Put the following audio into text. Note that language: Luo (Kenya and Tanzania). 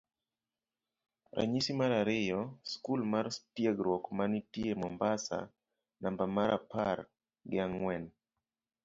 Ranyisi mar ariyo skul mar tiegruok ma nitie mombasa namba marapar gi ang'wen